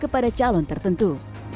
pada calon tertentu